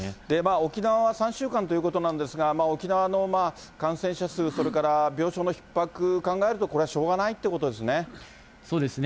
沖縄は３週間ということなんですが、沖縄の感染者数、それから病床のひっ迫考えると、これはしょうがないっていうことですね。